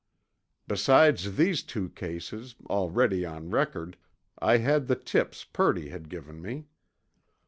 Besides these two cases, already on record, I had the tips Purdy had given me.